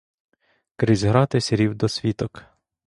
Крізь ґрати сірів досвіток.